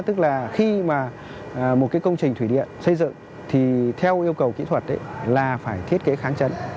tức là khi mà một cái công trình thủy điện xây dựng thì theo yêu cầu kỹ thuật là phải thiết kế kháng chấn